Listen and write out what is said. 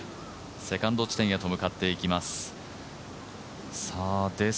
セカンド地点へと向かっていきます。